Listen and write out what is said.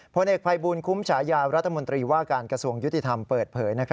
ผลเอกภัยบูลคุ้มฉายารัฐมนตรีว่าการกระทรวงยุติธรรมเปิดเผย